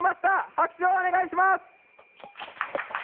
拍手をお願いします！